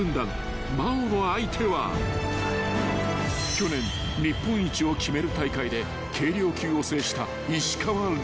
［去年日本一を決める大会で軽量級を制した］